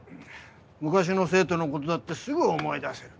昔の生徒のことだってすぐ思い出せる。